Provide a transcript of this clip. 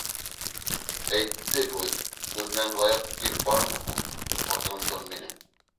«Әйтте һүҙ, үҙенән лайыҡ ир бармы һуң, алтынымды минең?!»